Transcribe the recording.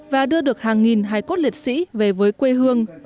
và đưa được hàng nghìn hải cốt liệt sĩ về với quê hương